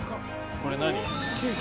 これ何？